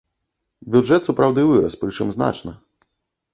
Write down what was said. Бюджэт сапраўды вырас, прычым значна.